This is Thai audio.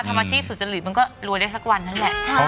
ทำอาชีพสุจริตมันก็รวยได้สักวันนั้นแหละ